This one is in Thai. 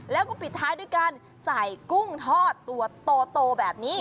แล้วก็ปิดท้ายด้วยการใส่กุ้งทอดตัวโตแบบนี้